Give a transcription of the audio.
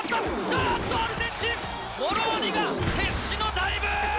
おっとアルゼンチン、モローニが決死のダイブ！